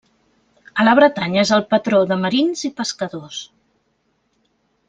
A la Bretanya, és el patró de marins i pescadors.